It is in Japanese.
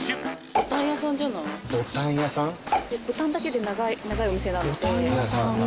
ボタンだけで長いお店なので。